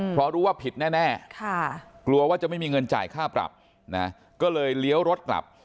เพราะรู้ว่าผิดแน่กลัวว่าจะไม่มีเงินจ่ายค่าปรับนะก็เลยเลี้ยวรถกลับ